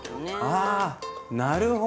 あなるほど。